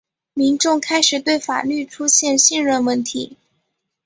民众开始对法律出现信任问题。